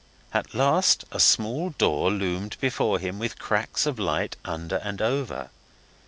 At last a small door loomed before him with cracks of light under and over.